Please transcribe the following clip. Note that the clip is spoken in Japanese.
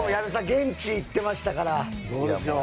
現地行ってましたから。